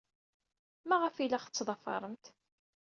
Maɣef ay la aɣ-tettḍafaremt?